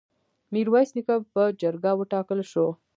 میرویس نیکه په جرګه وټاکل شو.